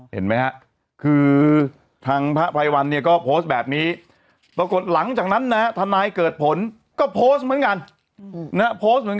เห็นไหมครับคือทางพระภัยวันเนี่ยก็โพสต์แบบนี้ปรากฏหลังจากนั้นนะธนายเกิดผลก็โพสต์เหมือนกัน